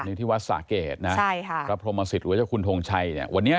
รับศาสตร์เกดนะรับโภมศิษย์หรือว่าเจ้าคุณทงชัยเนี่ย